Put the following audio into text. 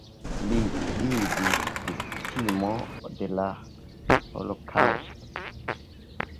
Li iĝis viktimo de la holokaŭsto.